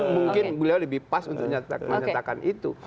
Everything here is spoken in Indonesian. mungkin beliau lebih pas untuk menyatakan itu